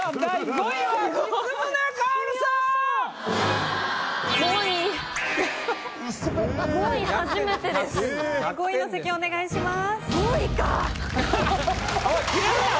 ５位の席へお願いします。